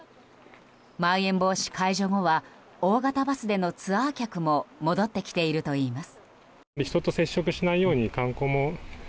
まん延防止解除後は大型バスでのツアー客も戻ってきているといいます。